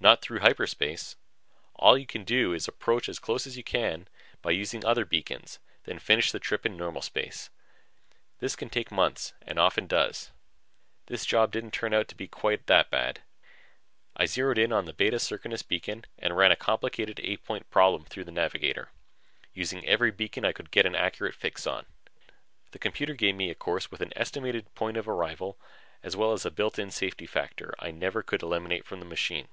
Not through hyperspace. All you can do is approach as close as you can by using other beacons, then finish the trip in normal space. This can take months, and often does. This job didn't turn out to be quite that bad. I zeroed on the Beta Circinus beacon and ran a complicated eight point problem through the navigator, using every beacon I could get an accurate fix on. The computer gave me a course with an estimated point of arrival as well as a built in safety factor I never could eliminate from the machine.